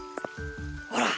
ほら。